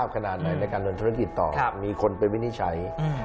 ขนาดไหนในการเดินธุรกิจต่อมีคนไปวินิจฉัย